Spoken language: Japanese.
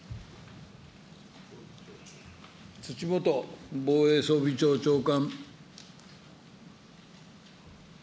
土本防衛装備庁長官。